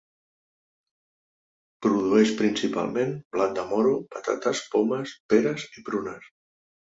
Produeix principalment blat de moro, patates, pomes, peres i prunes.